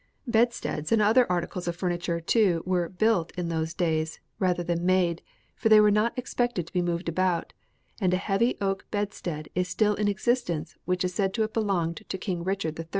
"Bedsteads and other articles of furniture, too, were 'built' in those days, rather than made, for they were not expected to be moved about; and a heavy oak bedstead is still in existence which is said to have belonged to King Richard III.